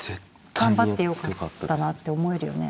頑張ってよかったなって思えるよね。